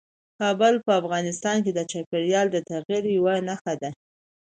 کابل په افغانستان کې د چاپېریال د تغیر یوه نښه ده.